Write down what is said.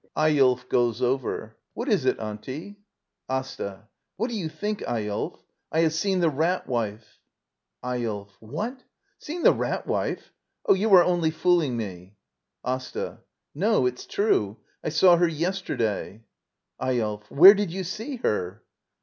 Eyolf. [Goes over.] What is it. Auntie? AsTA. What do you think, Eyolf — I have seen the Rat Wife. Eyolf. What! Seen the Rat Wife! Oh, you are only fooling me I AsTA. No ; it's true. I saw her yesterday. Eyolf. Where did you see her?